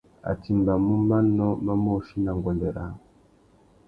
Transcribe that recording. A timbamú manô mà môchï mà nguêndê râā.